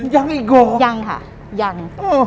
ยังค่ะยัง